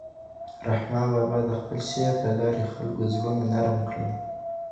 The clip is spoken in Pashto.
رحمان بابا د خپل شعر له لارې د خلکو زړونه نرم کړل.